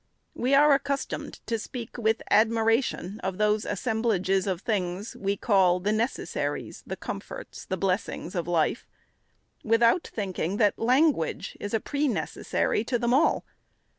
We are accustomed to speak with admi ration of those assemblages of things, we call the neces saries, the comforts, the blessings of life, without thinking that language is a pre necessary to them all.